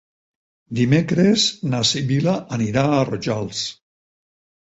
Dimecres na Sibil·la anirà a Rojals.